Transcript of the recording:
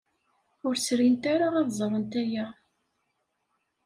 Ur srint ara ad ẓrent aya.